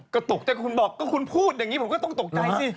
ก็ตกใจคุณบอกก็คุณพูดอย่างนี้ผมก็ต้องตกใจสิ